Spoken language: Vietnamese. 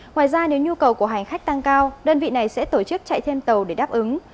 ngoài ra nếu nhu cầu của hành khách tăng cao đơn vị này sẽ tổ chức chạy thêm tàu để đáp ứng